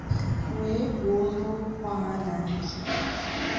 wee kwuo na ụkwà a na-apị